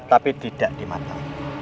tetapi tidak di mata